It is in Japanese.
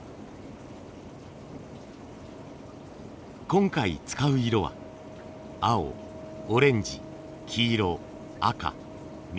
今回使う色は青オレンジ黄色赤緑。